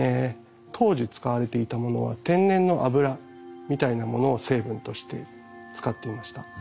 当時使われていたものは天然の脂みたいなものを成分として使っていました。